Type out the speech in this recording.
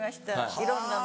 いろんなの。